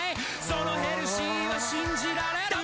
そのヘルシーは信じられる？